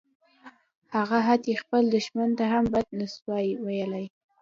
هغه حتی خپل دښمن ته هم بد نشوای ویلای